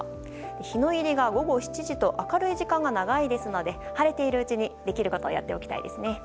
日の入りが午後７時と明るい時間が長いですので晴れているうちにできることをやっておきたいですね。